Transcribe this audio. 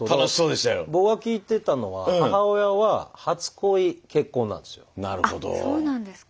僕が聞いてたのは母親は初恋結婚なんですよ。